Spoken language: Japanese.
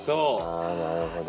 あなるほどね。